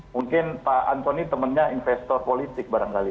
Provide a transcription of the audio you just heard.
mungkin pak antoni temannya investor politik barangkali